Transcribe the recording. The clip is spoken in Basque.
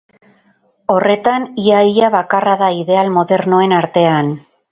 Horretan, ia-ia bakarra da ideal modernoen artean.